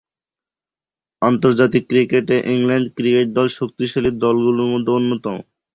আন্তর্জাতিক ক্রিকেটে England cricket দল শক্তিশালী দলগুলোর মধ্যে অন্যতম।